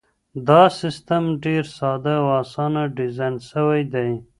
دا سیستم ډېر ساده او اسانه ډیزاین سوی دی.